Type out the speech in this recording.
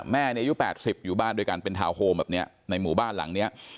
ในอายุ๘๐อยู่บ้านด้วยกันเป็นทาวน์โฮมแบบนี้ในหมู่บ้านหลังเนี้ย